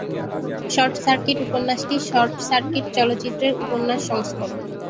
Short circuit উপন্যাসটি short circuit চলচ্চিত্রের উপন্যাস সংস্করণ।